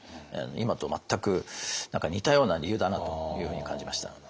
今と全く似たような理由だなというふうに感じました。